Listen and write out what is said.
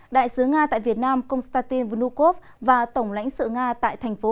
đại sứ nga tại việt nam konstantin vnukov và tổng lãnh sự nga tại tp hcm